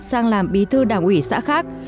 sang làm bí thư đảng ủy xã khác